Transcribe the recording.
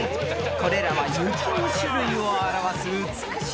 ［これらは雪の種類を表す美しい日本語です］